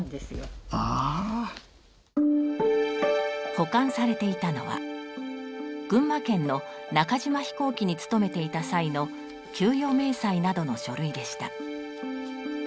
保管されていたのは群馬県の中島飛行機に勤めていた際の給与明細などの書類でした。